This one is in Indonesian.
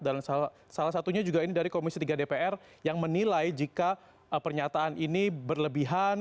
dan salah satunya juga ini dari komisi tiga dpr yang menilai jika pernyataan ini berlebihan